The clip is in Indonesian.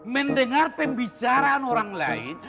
mendengar pembicaraan orang lain